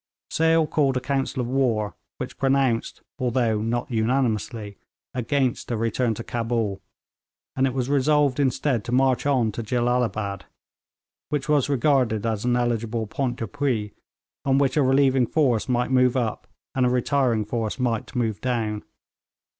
Sale called a council of war, which pronounced, although not unanimously, against a return to Cabul; and it was resolved instead to march on to Jellalabad, which was regarded as an eligible point d'appui on which a relieving force might move up and a retiring force might move down.